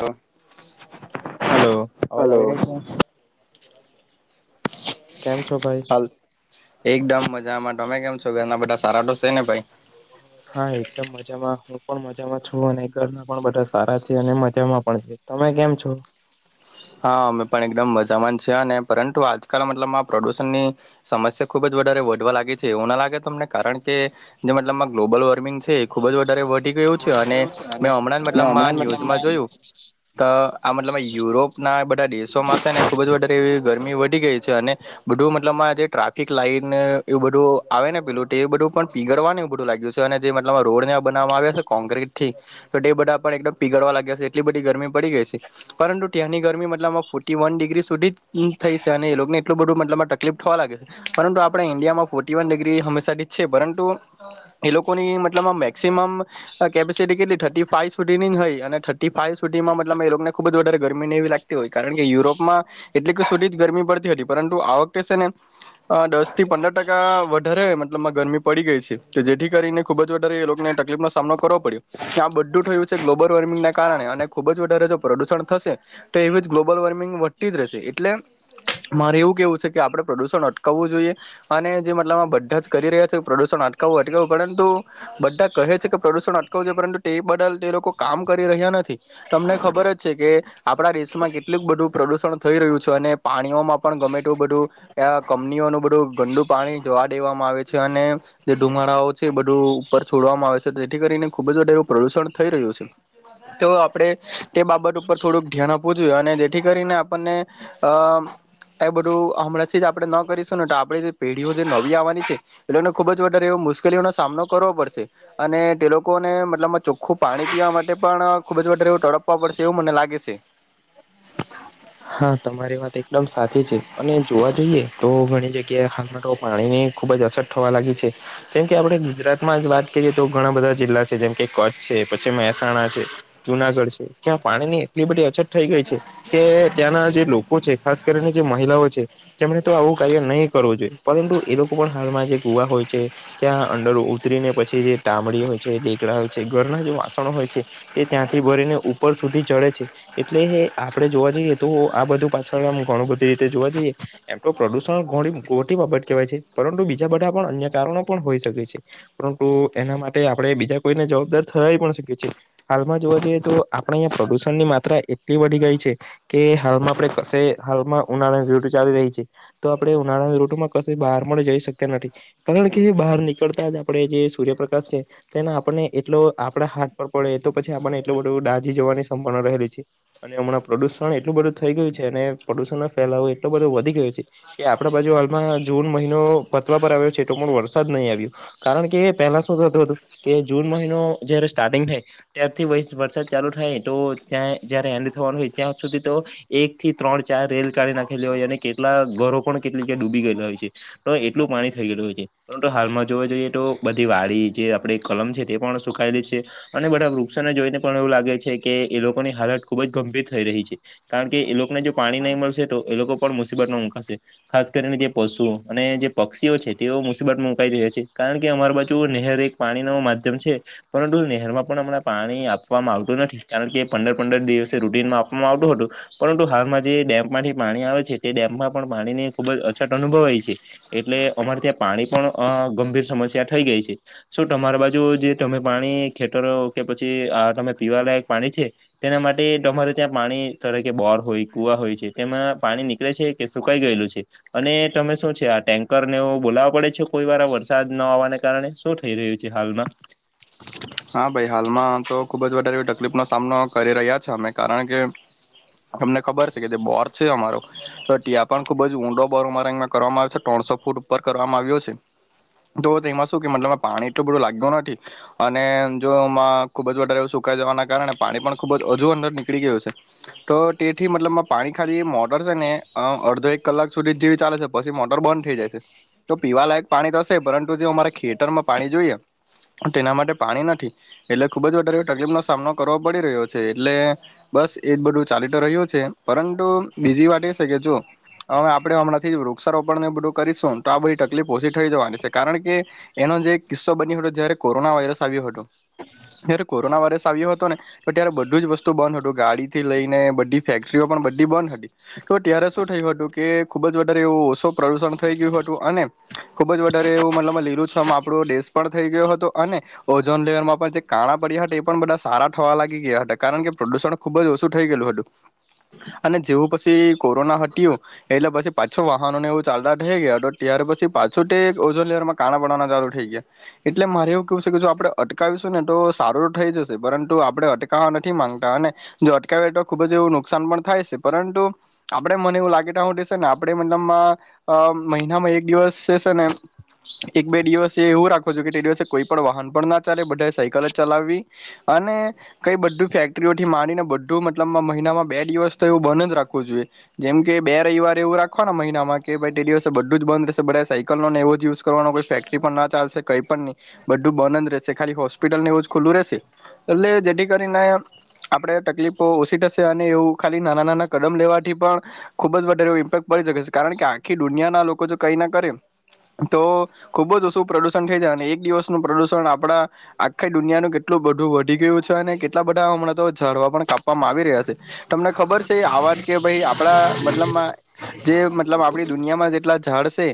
લો, hello hello. કેમ છો ભાઈ? એકદમ મજામાં, તમે કેમ છો ઘરના બધા સારા તો છે ને ભાઈ? હા એકદમ મજામાં હું પણ મજામાં છું અને ઘરના પણ બધા સારા છે અને મજામાં પણ છે. તમે કેમ છો? હ હા અમે પણ એકદમ મજામાંન છી અને પરંતુ આજકાલ મતલબમાં પ્રદુષણ ની સમસ્યા ખુબ જ વધ વધવા લાગે છે એવું ના લાગે તમને કારણ કે જે મતલબમાં ગ્લોબલ વોર્મિંગ ખુબ જ વધારે વધી ગયું છે વસ્તુ અને એવું છે ને મે હમણાં મેં મતલબ હમણાં જ મતલબ ન્યુઝમાં જોયું તો આ મતલબ યુરોપ ના બધા દેશોમાં છે ને ખુબ જ વધારે એવી ગરમી વધી ગઈ છે અને બધું મતલબ જે ટ્રાફિક લાઈન એવું બધું આવે ને પેલું એ બધું પણ પીગડ એવ બધું લાગ્યું છે મતલબ રોડ બના આવ છે કોકટ થી તો તે બધા પણ એકમ પીગડવા લાગ્યાશે એટલી બધી ગરમી પડી ગઈ છે પરંતુ ત્યાંની ગરમી મતલબમાં ફોટી વન ડિગ્રી સુધી થઈ છે અને એ એટલું બધું મતલબમાં તકલીફ થવા લાગે છે પરંતુ આપણે ઇન્ડિયામાં ફોર્ટી વન ડિગ્રી હંમેશાથી જ છે પરંતુ એ લોકોની મતલબમાં મે [unintelligible] ગરમી ને એવી લાગતી હોય કારણ કે યુરોપમાં એટલી કે સુધી જ ગરમી પડતી હતી પરંતુ આ વખતે છે ને અ દસ થી પંદર ટકા વધારે મતલબ ગરમી પડી ગઈ છે જેથી કરીને ખુબ જ વધારે એ લોકોને તકલીફ નો સામનો કરવો પડ્યો આ બધું થયું છે ગ્લોબલ વોર્મિંગના કારણે અને ખુબ જ વધારે જો પ્રદુષણ થશે તો એવી જ ગ્લોબલ વોર્મિંગ વધતી જ રહેશે એટલે મારે એવું કેવું છે કે આપડણે પ્રદુષણ અટકાવવું જોઈએ અને જે મતલબ આ બધા જ કરી રહ્યા છે પ્રદુષણ અટકાવું અટકાવ પરંતુ બધા કહે છે કે પ્રદુષણ અટકાવું જોઈ પરંતુ તે બદલ તે લોકો કામ કરી રહ્યા નથી તમને ખબર જ છે કે આપણા દેશમાં કેટલુંક બધું પ્રદુષણ થઈ રહ્યું છે અને પાણીઓમાં પણ ગમે તેું બધું કંપનીઓ બધું ગંદું પાણી જવા દેવામાં આવે છે અને જે ધુમાળઓ છે બધું ઉપર છોડવામાં આવે છે. જેથી કરીને ખુબ જું એવું પ્રદુષણ થઈ રહ્યું છે તો આપણે તે બાબત ઉપર થોડુંક ધ્યાન આપું જોએ અને જેથી કરીને આપણને અ એ બધું હમણાંથી જ આપડે ન કરીશુંને આપણી પેઢીઓ જે નવી આવવાની છે એને ખુબ જ વધારે મુશ્કેલીઓનો સામનો કરવો પડશે અને તે લોકોને મતલબ ચોખ્ખું પાણી પીવા માટે પણ ખૂબ તડપવા પડશે એવું મને લાગે છે. હા તમારી વાત એકદમ સાચી છે અને જોવા જઈએ તો ઘણી જગ્યાએ હાલમાં તો પાણીની ખુબ જ અછત થવા લાગી છે. જેમકે આપડે ગુજરાત માં જ વાત કરીએ તો ઘણા બધા જિલ્લા છે જેમ કે કચ્છ છે પછી મહેસાણા છે. જુનાગઢ છે ત્યાં પાણીની એટલી બધી અછત થઈ ગઈ છે કે ત્યાંના જે લોકો છે ખાસ કરીને જે મહિલાઓ છે જેમને તો આવું [unintelligible] કરવો જોઈએ પરંતુ એ લોકો પણ હાલમાં જે કુવા હોય છે ત્યાં અંડર ઉતરીને પછી જે તામડી હોય હોય છે ઘરના જે વાસણો હોય છે તે ત્યાંથી ભરીને ઉપર સુધી ચડે છે એટલે આપડણે જોવા જઈએ તો આ બધું પાછળ ઘણું બધી રીતે જોવા જઈએ એમ તો પ્રદુષણ ઘણી મોટી બાબત કેવાય છે. પરુ બીજા બધા પણ અન્ય કારણો પણ હોઈ શકે છે પરંતુ એના માટે આપણે બીજા કોઈને જવાબદાર [unintelligible] હાલમાં જોવા જઈએ તો આપણે અહીંયા પ્રદુષણ ની માત્રા એટલી વધી ગઈ છે. કે હાલમાં આપડે કશે હાલમાં ઉનાળાની ૠતું ચાલી રહી છે તો આપડણે ઉનાળાની ૠતુંમાં કશે બહાર જઈ શકતા નથી કારણ કે બહાર નીકળતા જ આપણે જે સૂર્યપ્રકાશ છે તેના આપને એટલો. આપડે હાથ પર પડે તો પછી આપણને એટલું બધું ડાજી જોવાની સંભાવના રહેલી છે અને હમણાં પ્રદૂષણ એટલું બધું થઈ ગયું છે અને પ્રદુષણ નો ફેલાવો એટલો બધ વધી ગયો છે કે આપણા બાજુ હાલમાં જૂન મહિનો પડવા આવ્યો છે તો પણ વરસાદ નહી આવ્યો કારણ કે પહેલા શું થતું હતું કે જૂન મહિનો સ્ટારિંગ થાય ત્યારથી વરસાદ ચાલુ થાય તો જયારે એન્ડ થવાનું હોય ત્યાં સુધી તો એક થી ત્રણ ચાર રેલ ગાડી નાખેલી હોય અને કેટલા ઘરો પણ કેટલી જ્યા ડૂબી ગયેલા હોય છે. તો એટલું પાણી થઈ ગયેલું હોય છે પરતું હાલમાં જોવા જઈએ તો બધી વાડી જે આપે કલમ છે. સુખાયેલી છે અને બધા વૃક્ષોને જોઈને પણ એવું લાગે છે કે એ લોકોની હાલત ખુબ જ ગંભીર થઈ રહી છે કારણ કે એ લોકોને જો પાણી નહી મળશે તો એ લોકો પણ મુસીબત ન મુકાશે ખાસ કરીને જે અને જે પક્ષીઓ છે તેઓ મુસીબત મુકાઈ રહ્યા છે કારણ કે અમારી બાજુ નહેર એક પાણી ન માધ્યમ પર નહેરમાં પણ હમણા પાણી આપવામાં આવતું નથી કારણ કે પંદર પંદર દિવસે રૂટીમાં આપ આવતું હતું પરંતુ હાલમાં જે ડેમમાંથી પાણી આવે છે તે ડેમમાં પણ પાણી ની ખુબ જ અછત અનુભવ એટલે અમારે ત્યાં પાણી પણ ગંભીર સમસ્યા થઈ ગઈ છે શ તમારી બાજુ તમે પાણી ખેતરો કે પછી તમે પીવા લયક પાણી છે તેના માટે તમારે ત્યાં પાણી તરે કે બોર હોય કુવા હોય છે તેમાં પાણી નીકળે છે કે સુકાઈ ગયેલું છે અને મે શું છે આ ટેન્કરનેવ બોલાવવા પડે છે કોઈ વાર વરસાદ ન આવવાને કારણે શું થઈ રહ્યું છે હાલમાં. હા ભાઈ હાલમાં તો ખુબ જ વધારે તકલીફનોો સામનો કરી રહ્યા છે અમે કારણ કે તમને ખબર છે કે જે બોર છે અમારો તો ત્યા પણ ખુબ જ ઊંડો બોર અમારા અ કરવામાં આવે છે ટોત સ ફૂટ ઉપ કર આવ્યો છે તો તેમાં શ કે મતલ પાણી એટલું બધું લાગ્યું નથી. જોમાં ખુબ જ વધારે સુકાઈ જવાના કારણે પાણી પણ ખુબ જ હજુ અંદર નીકળી ગયું છે. તો તે થી મતલબ પાણી ખાલી મોટર છે ને અ અડધો એક કલાક સુધી જ જેવી ચાલે છે પી મોટર બંધ થઈ. તો પીવાલાયક પાણી હશે પરંતુ જે અમારા ખેતરમાં પાણી જોઈએ તેના માટે પાણી નથી એટલે ખુબ જ વધારે તકલીફ નો સામનો કરવો પડી રહ્યો છે એટલે બસ એજ બધું ચા. તો રહ્યું છે પરંતુ બીજી વાત એ છે કે જો હવે આપણે હમણાંથી વૃક્ષારોપણ ને બધું કરીશું તો આ બધી તકલીફ ઓછી થઈ જવાની છે કારણ કે એનો જે કિસ્સો બન્યો હતો જયારે કોરોના વાયરસ આવ્યો હતો. જયારે કોરોના વાયરસ આવ્યો હતો ને તો ત્યારે બધું જ વસ્તુ બંધ હતું ગાડીથી લઈને બધી ફેક્ટરીઓ પણ બધી બંધ હતી તો ત્યારે શું થયું હતું કે ખૂબ જ વધારે એવું ઓછો પ્રદુષણ થઈ ગયું હતું અને ખૂબ જ વધારે એવું મતલબમાં લીલુંછમ આપરો દેશ પણ થઈ ગયો હતો અને ઓઝોન લેયરમાં પણ જે કાણા પર્યા હતા એ પણ બધાં સારા થવા લાગી ગયા હતા કારણ કે પ્રદૂષણ ખૂબ જ ઓછું થઈ ગયેલું. વધુ. અને જેવું પછી કોરોના હટયું એટલે પછી પાછો વાહનોને એવું ચાલતા થઈ ગયા તો ત્યારે પછી પાછું તે ઓઝોન લેયરમાં કાણા પડવાના ચાલુ થઈ ગયા એટલે મારે એવું કેવું જો આપરે અટકાવીશું ને તો સારું થઈ જશે પરંતુ આપરે અટકાવા નથી માંગતા અને જો અટકાવે તો ખૂબ જ એવું નુકસાન પણ થાય છે પરંતુ આપડે મને એવું લાગે તા હુધી શેને આપડે મતલબમાં અ મહિનામાં એક દિવસ સે સેને એક બે દિવસ એવું રાખો છોકે તે દિવસે કોઈ પણ વાહન પણ ના ચાલે બધાંએ સાયકલ જ ચલાવવી અને કઈ બધું ફેક્ટરી ઓથી માંડીને બધુ મતલબા મહિનામાં બે દિવસ તો એવું બંધ જ રાખવું જોઈએ જેમ કે બે રયવારે એવું રાખવાનું મહિનામાં તે બઘે દિવસે બધું જ બંધ રેહશે બધાં એ સાયકલનો ને એવો જ યુઝ કરવાનો કોઈ ફેક્ટરી પણ ના ચાલશે કઈ પણની. બધું બંધ જ રેહશે ખાલી હોસ્પિટલને એવું જ ખુલ્લું રેહશે એટલે જેથી કરીને આપડે તકલીફો ઓછી થશે અને એવું ખાલી નાના નાના કદમ લેવાથી પણ ખૂબ જ વધારે ઈમ્પેક્ટ બની શકે છે કારણ કે આખી દુનિયાના લોકો જો કઈ ના કરે તો ખૂબ જ ઓછું પ્રદુષણ થઈ જાય અને એક દિવસ નું પ્રદુષણ આપડા આખી દુનિયાનું કેટલું બધું વધી ગિયું છે અને કેટલા બધાં અમણાં તો ઝાડવા પણ કાપવામાં આવી રહ્યા છે તમને ખબર છે આ વાત કે ભઈ આપડા મતલબમાં જે મતલબ આપરી દુનિયામાં જેટલા ઝાળ છે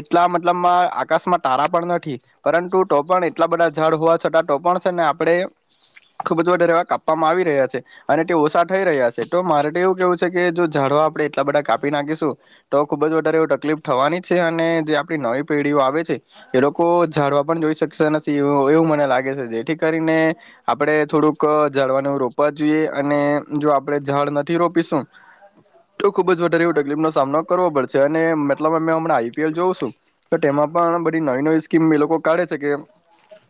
એટલા મતલબમાં આકાશમાં તારા પણ નથી પરંતુ ટોપણ એટલા બધાં ઝાડ હોવા છતાં ટોપણ છેને આપડે ખૂબ જ વધારે કાપવામાં આવી રહ્યા છે અને તે ઓછા થઈ રહ્યા છે તો મારે એવું કેવું છેકે જો ઝાડ તો આપડે એટલા બધાં કાપી નાખીશું તો ખૂબ જ વધારે એવી તકલીફ થવાની જ છે અને જે આપરી નવી પેઢીઓ આ આવે છે એ લોકો ઝાડવા પણ જોય છે. વૃક્ષો નથી એવુ મને લાગે છે જેથી કરીને આપડે થોડુંક ઝાળવાને એવું રો વા જુએ અને જો આપરે ઝાડ નથી રોપીશું. તો ખૂબ જ વધારે એવી તકલીફનો સામનો કરવો પડશે અને મતલબમાં મે અમણાં આઈપીએલ જોઉ છું તો તેમાં પણ બધી નવી નવી સ્કીમ એ લોકો કાઢે છે કેમ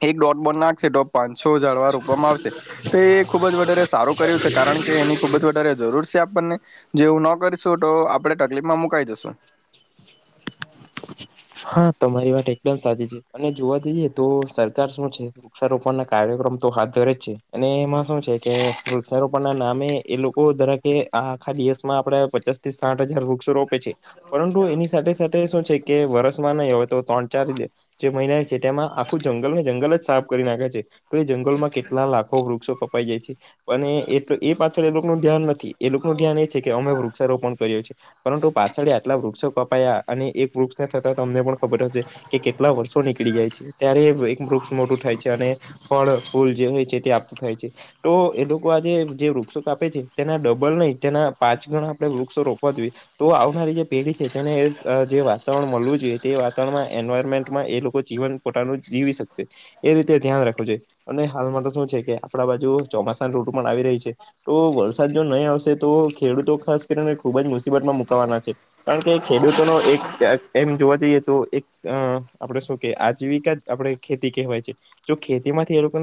એક ડોટ બોન નાખશે તો પાંસો ઝાળવા રોપવામાં આવશે તોએ ખૂબ જ વધારે સારું કર્યું છે કારણ કે એની ખૂબ જ વધારે જરૂર છે એમ. આપને જેવું ન કરીશું તો આપણેે તકલીફમાં મુકાઈ જશું. [inaudible] હા, તમારી વાત એકદમ સાચી છે અને જોવા જઈએ તો સરકાર શું છે વૃક્ષારોપણનાં કાર્યક્રમ તો હાથ ધરે જ છે અને એમાં શું છેકે વૃક્ષારોપણનાં નામે એ લોકો ધરાકે આખ આપરા પચાસથી સાઠ હજાર વૃક્ષો રોપે છે પરંતુ એની સાથે સાથે શું છેકે વર્ષ નય હોય તો ત્રણ ચાર જે મહિના છે તેમાં આખું જંગલ ને જંગલ જ સાફ કરી નાખે છે. તો એ જંગલમાં કેટલા લાખો વૃક્ષો કપાઈ જાય છે અને એટ એ પાછળ એ લો નું ધ્યાન નથી એ લોકોનું ધ્યાન એ છેકે અમે વૃક્ષારોપણ કરયું છે પરંતુ પાછળી આટલા વૃક્ષો કપાયા અને એક વૃક્ષને તો તમને પણ ખબર હશે કે કેટલા વર્ષો નીકળી જાય છે ત્યારે એક વૃક્ષ મોટું થાય છે અને પણ ફૂલ જે હોય છેતે આપતું થાય છે તો એ લોકો આજે જે વૃક્ષો કાપે છે તેના ડબલ નય તેના પાંચ ગણ આપરે વૃક્ષો રોપવા જોઈએ તો આવનારી જે પેઢી છે તેને જે વાતાવરણ મલવું વાતાવરણમાં એનવારમેન્ટમાં એ લોકો જીવન પોતાનું જીવી શકશે એ રીતે ધ્યાન રાખવો જોઈ અને હાલમાં તો શું છેકે આપડા બાજુ ચોમાસાની રૂટ પણ આવી રહી છે તો વરસાદ જો નય આવશે તો ખેડૂતો ખાસ કરીને ખૂબ જ મુસીબતમાં મુકાવાના છે કારણ કે ખેડૂતોનો એક એમ જોવા એતો એક અ આપડે શુંકે આજીવિકા આપરે ખેતી કહેવાય છે જો ખેતી માંથી એ લોકો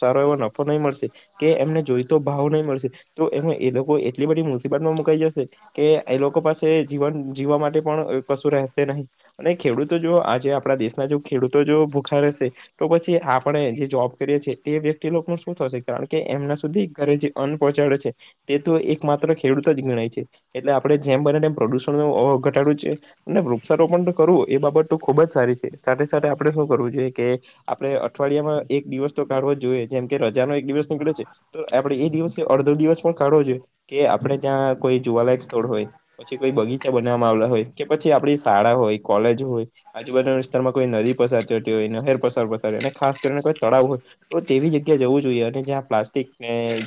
સારો એવો નફો નય મળશે કે એમને જોઈતો ભાવ નય મળશે તો એનો એ લોકો એટલે બધી મુસીબતમાં મુકાઈ જશે કે એ લોકો પાસે જીવન જીવવા માટે પણ કશું રેહશે નહી. અને ખેડૂતો જો આજે આપરા દેશના જો ખેડૂતો જો ભૂખા રેહશે તો પછી આપણે જે જોબ કરીએ છે તે વ્યક્તિ લોકનું શું થશે કારણ કે એમના સુધી ઘરે જે અન પોહચાડે છે તેતો એક મા માત્ર ખેડૂત જ ગણાય છે એટલે આપડે જેમ બને તેમ પ્રદૂષણનું અ ઘટાડવું છે અને વૃ પણ કરવું એ બાબત તો ખુબ જ સારી છે સાથે સાથે આપડણે શું કરવું જોઈએ કે આપડે અઠવાડિયામાં એક દિવસ તો કાઢવો જ જોઈએ જેમ કે રજાનોો એક દિવસ નીકળે છે તો આપડે એ દિવસ અડધો દિવસ પણ કાઢવો જોઈએ કે આપણે ત્યાં કોઈ જોવાલાયક સ્થળ હોય પછી કોઈ બગીચા બનાવવામાં આવલા હોય કે પછી આપડી શાળા હોય કોલેજ હોય આજુબાુના વિસ્તારમાં કોઈ નદી પસાર થતી હોય નહેર પસાર પસાર હોય ખાસ કરીને તળાવ હોય તો તેવી જગ્યા જવું જોઈએ અને જ્યાં પ્લાસ્ટિક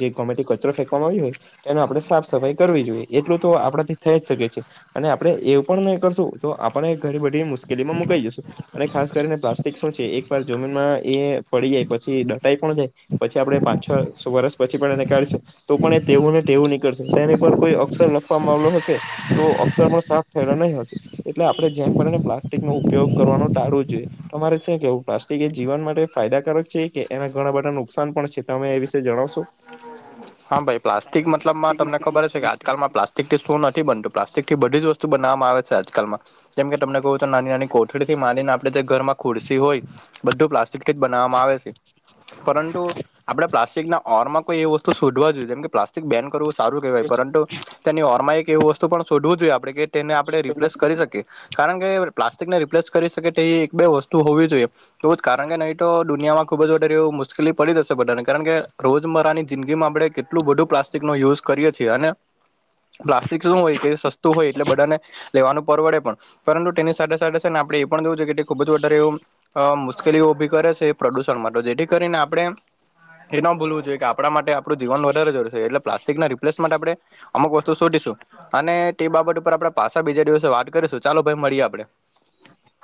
જે ગમેટી કચરો ફેંકવામાં આવ્યો હોય એને આપડણે સાફ સફાઈ કરવી જોઈએ એટલું તો આપડાથી થઈ જ શકે છે અને આપડે એવું પણ નહી કરશું તો આપણે ઘણી બધી મુશ્કેલીમાં મુકાઈ જઈશું અને ખાસ કરીને પ્લાસ્ટિક શું છે એક વાર જમીનમાં એ પડી જાય પછી દટાઈ પણ જાય પછી આપડે પાંચ છ વર્ષ પછી પણ એને કાઢીશું તો પણ એ તેવુંને વું નીકળશે તેને પર કોઈ અક્ષર લખવાવામાં આવલો હશે તો અક્ષર પણ સાફ થયે નહીં હશે એટલે આપડણે જેમને પ્લાસ્ટિક નો ઉપયોગ કરવાનું ટાારવું જોઈએ તમારે શ કેવું પ્લાસ્ટિક એ જીવન માટે ફાયદાકારક છે કે એના ઘણા બધા નુકસાન પણ છે તમે એ વિશે જણાવશો હા ભાઈ પ્લાસ્ટિક મતલબમાં તમને ખબર હ છે કે આજકાલમાં પ્લાસ્ટિક થી શું નથી બનતું પ્લાસ્ટિક થી બધી જ વસ્તુ બનાવવામાં આવે છે આજકાલમાં જેમ કે તમને કહું નાની નાની કોથળી થી માનીને આપણે ઘરમાં ખુડસી હોય બધું પ્લાસ્ટિક બનાવામાં આવે છે પરંતુ આપણે પ્લાસ્ટિક ના ઓરમાં કોઈ એ વસ્તુ શોધવા જોઈએ જેમ કે પ્લાસ્ટિક બેન કરવું સારું કહેવાય પરંતુ તેની ઓરમાં એક એવ વસ્તુ પણ શોધવું જોઈએ આપણે કે તેને આપણે રિપ્લેસ કરી શકીએ કારણ કે પ્લાસ્ટિકને રિપ્લેસ કરી શકે તેવી એક બે વસ્તુ હોવી જોઈએ એવું જ કારણ કે નહી તો દુનિયામાં ખુબ જ મુશ્કેલી પડી દશેને કારણ કે રોજમરાની જિંદગીમાં આપણે કેટલું બધું પ્લાસ્ટિક નો યુઝ કરીએ છીએ અને પ્લાસ્ટિક શું હોય કે સસ્તું હોય એટલે બધાને લેવાનું પરવડે પણ પરંતુ તેની સાથે સાથે સાથે આપડણે એ પણ જોવું છે કે ખૂબ જ વધારે એવું અ મુશ્કેલીઓ ઉઊભી કરે છે પ્રદુષણ માટે તો જેથી કરીને આપણે એ ન ભૂલવું જોઈએ કપડા માટે આપડું જીવન વધારે જર છે એટલે પ્લાસ્ટિકના રિપ્લેસ માટે આપડણે અમુ વસ્તુ શોધીશું અને તે બાબત ઉપર આપણે પાછા બીજા દિવસે વાત કરી ચાલો ભાઈ મળીએ આપડણે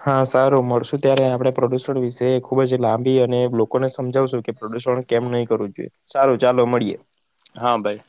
હા સારું મળશુ ત્યારે આપણે પ્રોડ્યુસર વિશે ખુબ જ લાંબી અને લોકોને સમજાવશું કેો કેમ નહી કરવું જોઈએ સારું ચાલો મળીએ હા ભાઈ